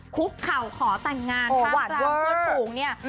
คุกเขาขอแต่งงานข้ากลางโบสถ์กรุงเนี่ย